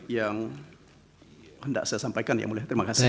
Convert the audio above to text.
tidak saya sampaikan ya mulya terima kasih